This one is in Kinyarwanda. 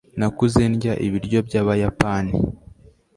nakuze ndya ibiryo byabayapani